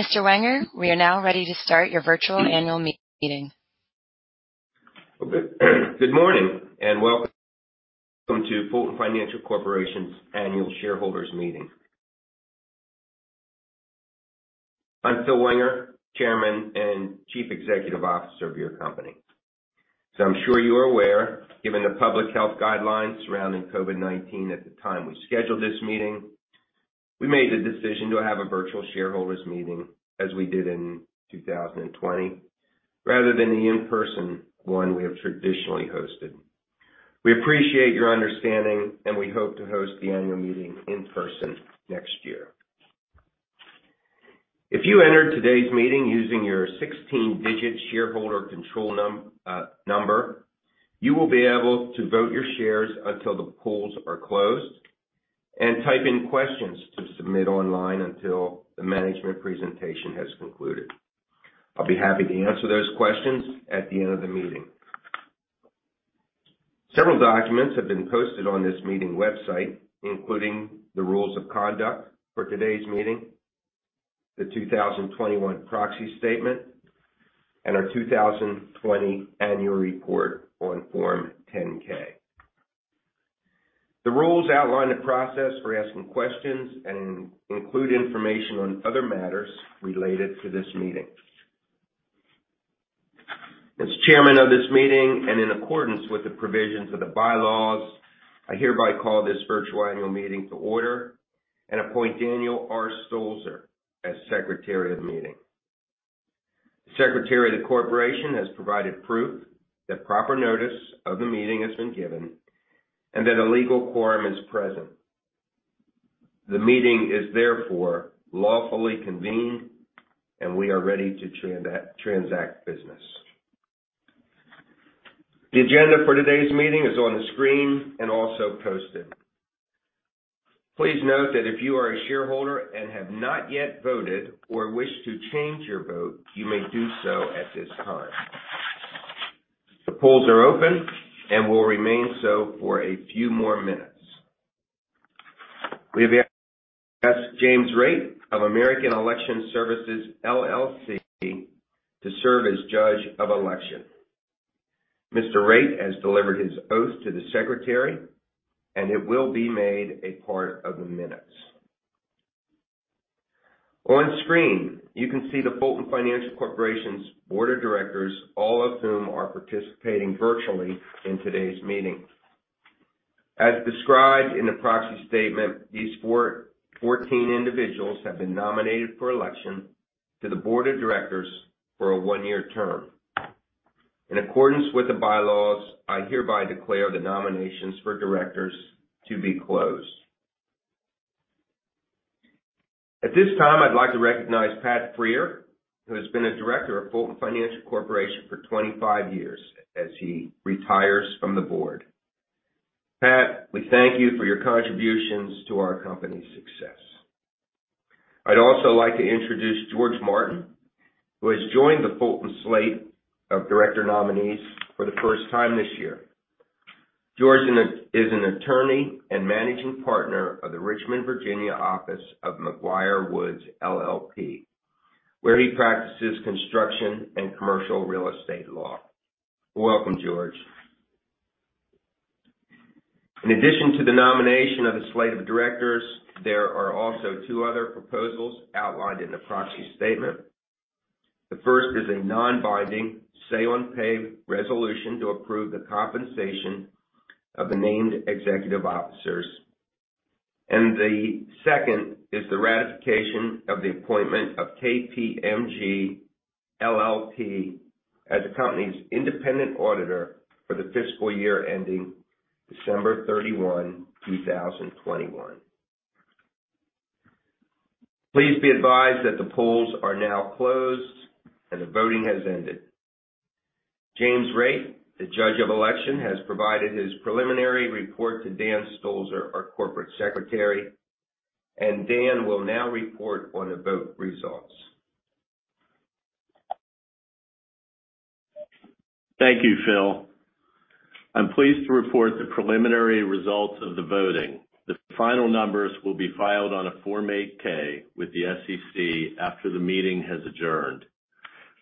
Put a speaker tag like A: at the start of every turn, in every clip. A: Mr. Wenger, we are now ready to start your virtual annual meeting.
B: Good morning, and welcome to Fulton Financial Corporation's Annual Shareholders Meeting. I'm Phil Wenger, Chairman and Chief Executive Officer of your company. I'm sure you're aware, given the public health guidelines surrounding COVID-19 at the time we scheduled this meeting, we made the decision to have a virtual shareholders meeting, as we did in 2020, rather than the in-person one we have traditionally hosted. We appreciate your understanding, and we hope to host the annual meeting in person next year. If you entered today's meeting using your 16-digit shareholder control number, you will be able to vote your shares until the polls are closed and type in questions to submit online until the management presentation has concluded. I'll be happy to answer those questions at the end of the meeting. Several documents have been posted on this meeting website, including the rules of conduct for today's meeting, the 2021 proxy statement, and our 2020 annual report on Form 10-K. The rules outline a process for asking questions and include information on other matters related to this meeting. As chairman of this meeting and in accordance with the provisions of the bylaws, I hereby call this virtual annual meeting to order and appoint Daniel R. Stolzer as secretary of the meeting. The Secretary of the Corporation has provided proof that proper notice of the meeting has been given and that a legal quorum is present. The meeting is therefore lawfully convened and we are ready to transact business. The agenda for today's meeting is on the screen and also posted. Please note that if you are a shareholder and have not yet voted or wish to change your vote, you may do so at this time. The polls are open and will remain so for a few more minutes. We have asked James J. Raitt of American Election Services, LLC to serve as Judge of Election. Mr. Raitt has delivered his oath to the secretary, and it will be made a part of the minutes. On screen, you can see the Fulton Financial Corporation's board of directors, all of whom are participating virtually in today's meeting. As described in the proxy statement, these 14 individuals have been nominated for election to the board of directors for a one-year term. In accordance with the bylaws, I hereby declare the nominations for directors to be closed. At this time, I'd like to recognize Patrick J. Freer, who has been a Director of Fulton Financial Corporation for 25 years as he retires from the board. Pat, we thank you for your contributions to our company's success. I'd also like to introduce George Martin, who has joined the Fulton slate of Director nominees for the first time this year. George is an attorney and Managing Partner of the Richmond, Virginia office of McGuireWoods LLP, where he practices construction and commercial real estate law. Welcome, George. In addition to the nomination of the slate of Directors, there are also two other proposals outlined in the proxy statement. The first is a non-binding say on pay resolution to approve the compensation of the named executive officers, and the second is the ratification of the appointment of KPMG LLP as the company's independent auditor for the fiscal year ending December 31, 2021. Please be advised that the polls are now closed and the voting has ended. James J. Raitt, the judge of election, has provided his preliminary report to Dan Stolzer, our Corporate Secretary. Dan will now report on the vote results.
C: Thank you, Phil. I'm pleased to report the preliminary results of the voting. The final numbers will be filed on a Form 8-K with the SEC after the meeting has adjourned.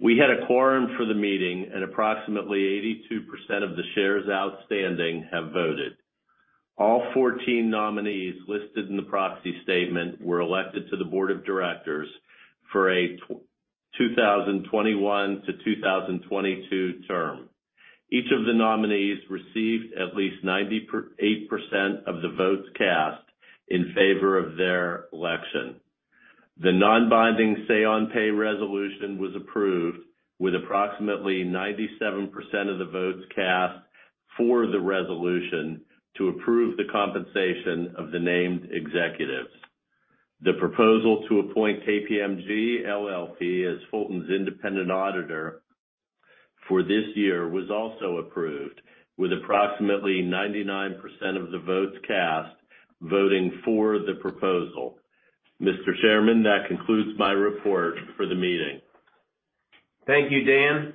C: We had a quorum for the meeting, and approximately 82% of the shares outstanding have voted. All 14 nominees listed in the proxy statement were elected to the board of directors for a 2021 to 2022 term. Each of the nominees received at least 98% of the votes cast in favor of their election. The non-binding say on pay resolution was approved with approximately 97% of the votes cast for the resolution to approve the compensation of the named executives. The proposal to appoint KPMG LLP as Fulton's independent auditor for this year was also approved with approximately 99% of the votes cast voting for the proposal. Mr. Chairman, that concludes my report for the meeting.
B: Thank you, Dan.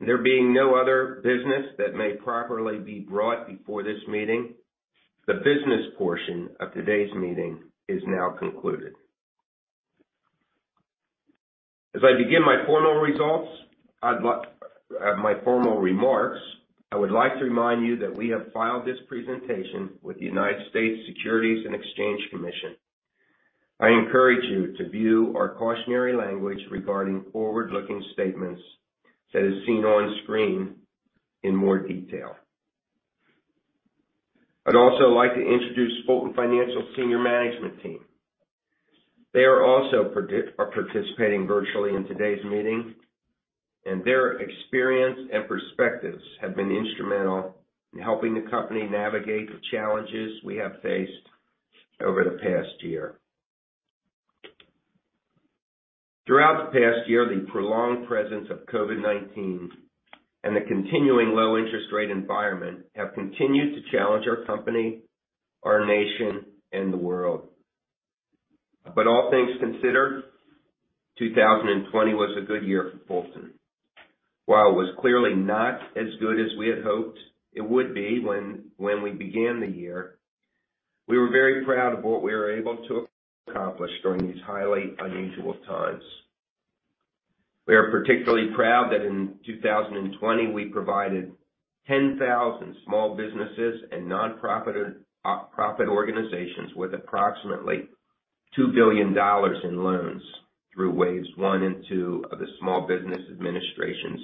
B: There being no other business that may properly be brought before this meeting, the business portion of today's meeting is now concluded. As I begin my formal remarks, I would like to remind you that we have filed this presentation with the United States Securities and Exchange Commission. I encourage you to view our cautionary language regarding forward-looking statements, as seen on screen, in more detail. I'd also like to introduce Fulton Financial senior management team. They are also participating virtually in today's meeting, and their experience and perspectives have been instrumental in helping the company navigate the challenges we have faced over the past year. Throughout the past year, the prolonged presence of COVID-19 and the continuing low interest rate environment have continued to challenge our company, our nation, and the world. All things considered, 2020 was a good year for Fulton. While it was clearly not as good as we had hoped it would be when we began the year, we were very proud of what we were able to accomplish during these highly unusual times. We are particularly proud that in 2020, we provided 10,000 small businesses and nonprofit organizations with approximately $2 billion in loans through waves 1 and two of the Small Business Administration's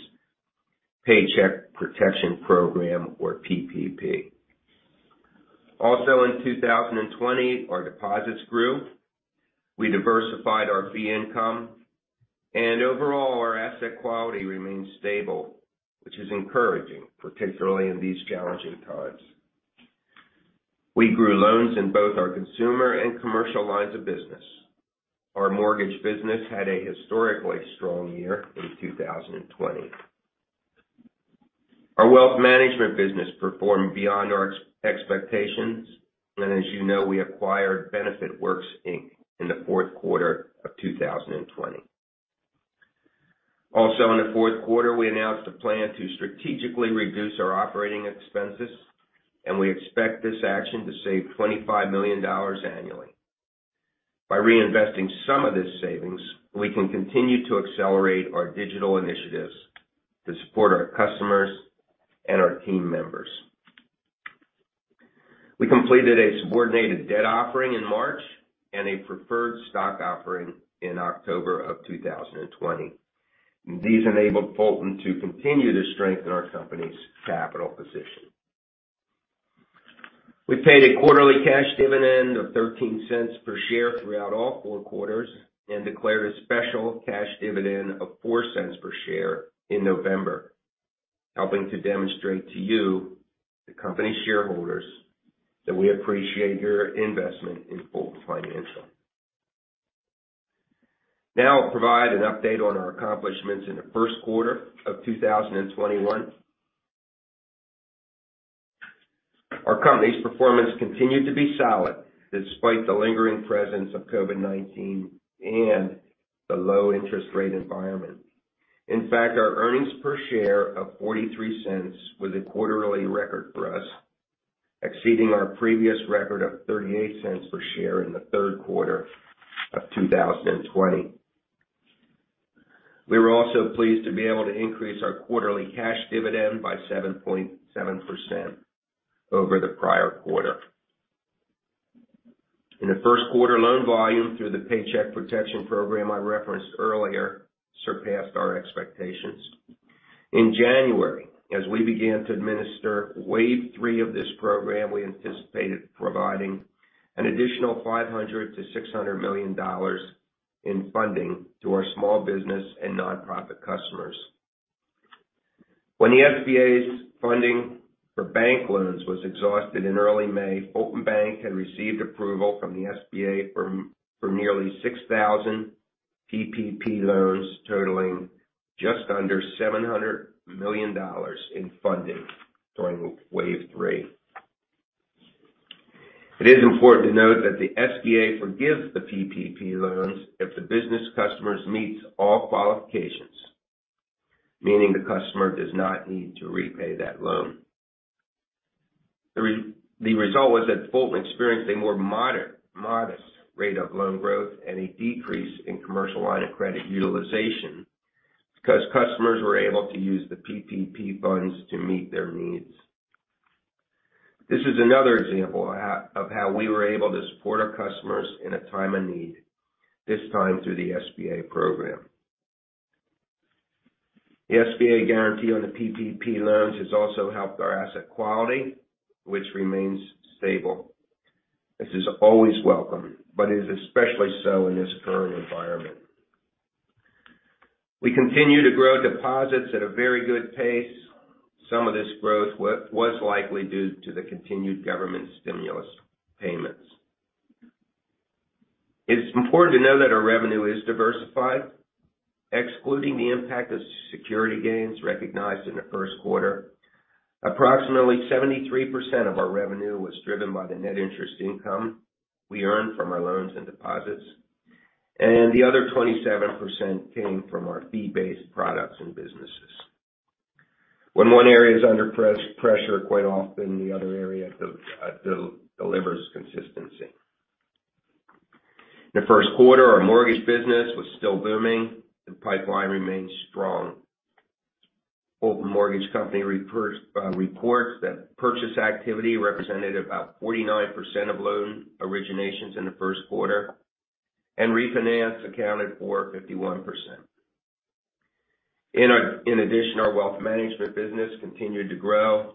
B: Paycheck Protection Program or PPP. In 2020, our deposits grew, we diversified our fee income, and overall, our asset quality remained stable, which is encouraging, particularly in these challenging times. We grew loans in both our consumer and commercial lines of business. Our mortgage business had a historically strong year in 2020. Our wealth management business performed beyond our expectations, and as you know, we acquired BenefitWorks, Inc. in the fourth quarter of 2020. Also in the fourth quarter, we announced a plan to strategically reduce our operating expenses, and we expect this action to save $25 million annually. By reinvesting some of this savings, we can continue to accelerate our digital initiatives to support our customers and our team members. We completed a subordinated debt offering in March and a preferred stock offering in October of 2020. These enabled Fulton to continue to strengthen our company's capital position. We paid a quarterly cash dividend of $0.13 per share throughout all four quarters and declared a special cash dividend of $0.04 per share in November, helping to demonstrate to you, the company shareholders, that we appreciate your investment in Fulton Financial. Now I'll provide an update on our accomplishments in the first quarter of 2021. Our company's performance continued to be solid despite the lingering presence of COVID-19 and the low-interest-rate environment. In fact, our earnings per share of $0.43 was a quarterly record for us, exceeding our previous record of $0.38 per share in the third quarter of 2020. We were also pleased to be able to increase our quarterly cash dividend by 7.7% over the prior quarter. In the first quarter, loan volume through the Paycheck Protection Program I referenced earlier surpassed our expectations. In January, as we began to administer wave 3 of this program, we anticipated providing an additional $500 million-$600 million in funding to our small business and nonprofit customers. When the SBA's funding for bank loans was exhausted in early May, Fulton Bank had received approval from the SBA for nearly 6,000 PPP loans totaling just under $700 million in funding during wave 3. It is important to note that the SBA forgives the PPP loans if the business customers meets all qualifications, meaning the customer does not need to repay that loan. The result was that Fulton experienced a more modest rate of loan growth and a decrease in commercial line of credit utilization because customers were able to use the PPP funds to meet their needs. This is another example of how we were able to support our customers in a time of need, this time through the SBA program. The SBA guarantee on the PPP loans has also helped our asset quality, which remains stable. This is always welcome, but is especially so in this current environment. We continue to grow deposits at a very good pace. Some of this growth was likely due to the continued government stimulus payments. It's important to know that our revenue is diversified. Excluding the impact of security gains recognized in the first quarter. Approximately 73% of our revenue was driven by the net interest income we earned from our loans and deposits, and the other 27% came from our fee-based products and businesses. When one area is under pressure, quite often the other area delivers consistency. In the first quarter, our mortgage business was still booming. The pipeline remains strong. Fulton Mortgage Company reports that purchase activity represented about 49% of loan originations in the first quarter, and refinance accounted for 51%. In addition, our wealth management business continued to grow.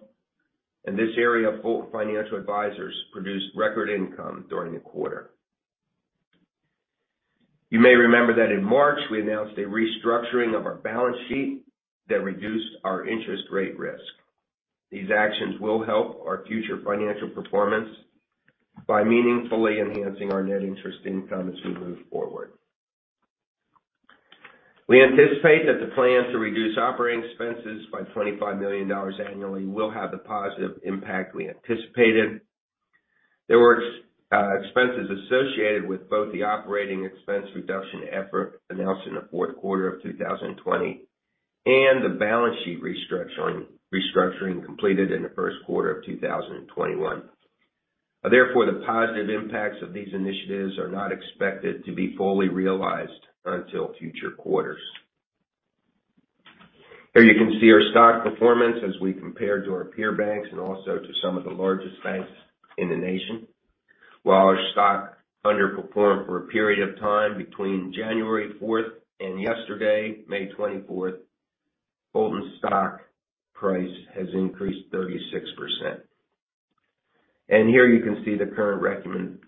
B: In this area, Fulton Financial Advisors produced record income during the quarter. You may remember that in March, we announced a restructuring of our balance sheet that reduced our interest rate risk. These actions will help our future financial performance by meaningfully enhancing our net interest income as we move forward. We anticipate that the plan to reduce operating expenses by $25 million annually will have the positive impact we anticipated. There were expenses associated with both the operating expense reduction effort announced in the fourth quarter of 2020 and the balance sheet restructuring completed in the first quarter of 2021. Therefore, the positive impacts of these initiatives are not expected to be fully realized until future quarters. Here you can see our stock performance as we compare to our peer banks and also to some of the largest banks in the nation. While our stock underperformed for a period of time between January 4th, 2021 and yesterday, May 24th, 2021 Fulton stock price has increased 36%. Here you can see the current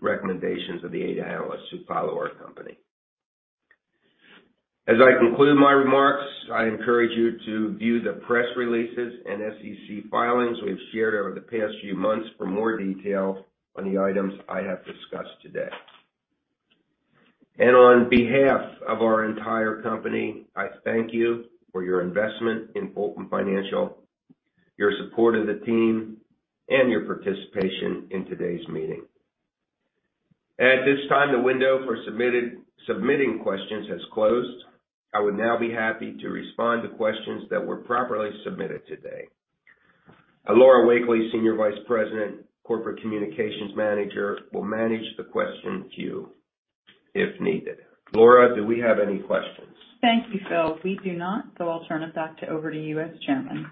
B: recommendations of the eight analysts who follow our company. As I conclude my remarks, I encourage you to view the press releases and SEC filings we've shared over the past few months for more detail on the items I have discussed today. On behalf of our entire company, I thank you for your investment in Fulton Financial, your support of the team, and your participation in today's meeting. At this time, the window for submitting questions has closed. I would now be happy to respond to questions that were properly submitted today. Laura Wakeley, Senior Vice President, Corporate Communications Manager, will manage the question queue if needed. Laura, do we have any questions?
A: Thank you Phil. We do not. I'll turn it back over to you as Chairman.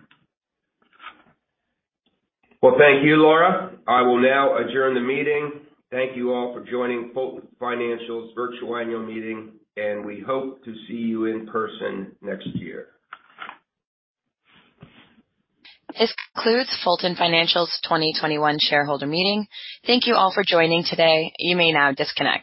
B: Well thank you Laura. I will now adjourn the meeting. Thank you all for joining Fulton Financial's virtual annual meeting. We hope to see you in person next year.
A: This concludes Fulton Financial's 2021 Shareholder Meeting. Thank you all for joining today. You may now disconnect.